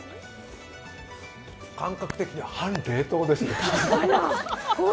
感覚的に半冷凍です。